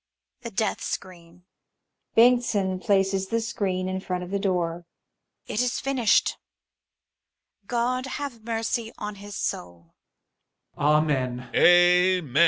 ... The Death Screen ! Bengtsson pUices the screen in front of the door. MuiOfT. It is finished ! Grod have mercy on his soul